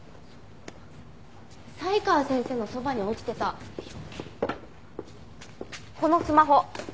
才川先生のそばに落ちてたこのスマホ。